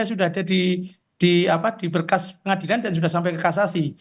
sudah ada di berkas pengadilan dan sudah sampai ke kasasi